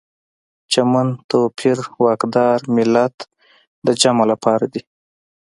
چمن، توپیر، واکدار، ملت د جمع لپاره دي.